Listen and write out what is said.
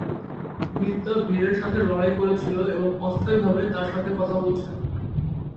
বিদ্যা বীরের সাথে লড়াই করেছিল এবং অস্থায়ীভাবে তার সাথে কথা বলছে না।